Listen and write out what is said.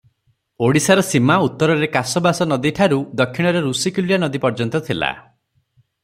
ଓଡିଶାର ସୀମା ଉତ୍ତରରେ କାଶବାଶନଦୀଠାରୁ ଦକ୍ଷିଣରେ ଋଷିକୁଲ୍ୟାନଦୀ ପର୍ଯ୍ୟନ୍ତ ଥିଲା ।